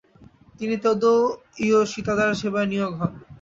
তিনি তোদো ইওশীতাদার সেবায় নিয়োগ হন।